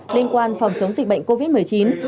liên quan phòng chống dịch bệnh covid một mươi chín